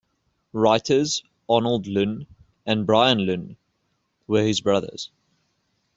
Writers Arnold Lunn and Brian Lunn were his brothers.